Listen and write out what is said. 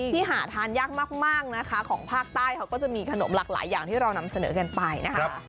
หาทานยากมากนะคะของภาคใต้เขาก็จะมีขนมหลากหลายอย่างที่เรานำเสนอกันไปนะคะ